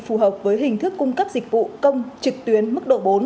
phù hợp với hình thức cung cấp dịch vụ công trực tuyến mức độ bốn